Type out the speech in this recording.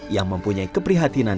yang mempunyai keprihatinan